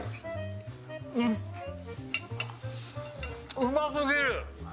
うますぎる！